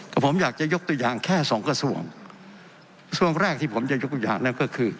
ผมอยากจะยกตัวอย่างแค่สองกระทรวงช่วงแรกที่ผมจะยกตัวอย่างแล้วก็คือ